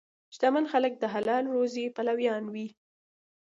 شتمن خلک د حلال روزي پلویان وي.